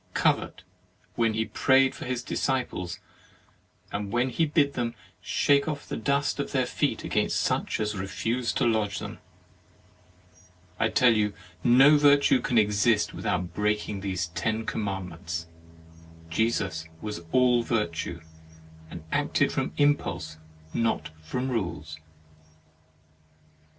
covet when He prayed for His disciples, and when He bid them shake off the dust of their feet against such as refused to lodge them? I tell you, no virtue can exist without break ing these ten commandments. Jesus was all virtue, and acted from im pulse, not from rules."